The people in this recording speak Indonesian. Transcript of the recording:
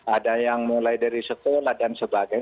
ada yang mulai dari sekolah dan sebagainya